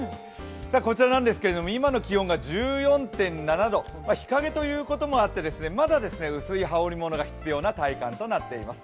こちらですが、今の気温が１４．７度、日陰ということもあってまだ雨水は織物が必要な体感となっています。